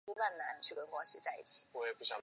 导演林孝谦说想和周迅合作拍电影。